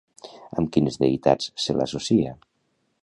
Amb quines deïtats se l'associa?